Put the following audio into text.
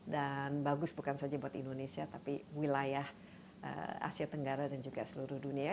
dan bagus bukan saja buat indonesia tapi wilayah asia tenggara dan juga seluruh dunia